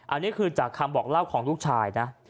อันนี้คือจากคำบอกเล่าของลูกชายนะ